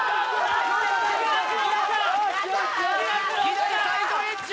左サイドエッジ！